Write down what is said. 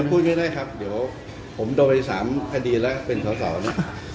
พูดไม่ได้ครับเดี๋ยวผมโดนไป๓คดีแล้วเป็นสาวนะ